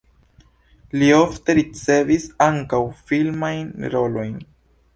Li ofte ricevis ankaŭ filmajn rolojn.